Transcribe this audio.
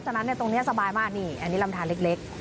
นั้นตรงนี้สบายมากนี่อันนี้ลำทานเล็ก